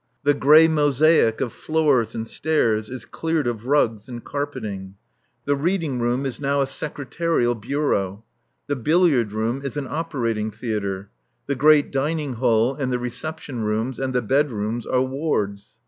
The grey mosaic of floors and stairs is cleared of rugs and carpeting; the reading room is now a secretarial bureau; the billiard room is an operating theatre; the great dining hall and the reception rooms and the bedrooms are wards.